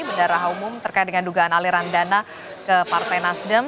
bendara umum terkait dengan dugaan aliran dana ke partai nasdem